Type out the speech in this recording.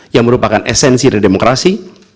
yang merupakan esensi dari demokrasi